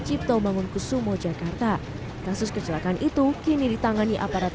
cipto bangun ke sumo jakarta kasus kecelakaan itu kini ditangani aparat